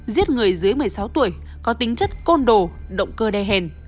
giết người dưới một mươi sáu tuổi có tính chất côn đồ động cơ đê hèn